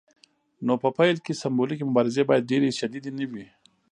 نو په پیل کې سمبولیکې مبارزې باید ډیرې شدیدې نه وي.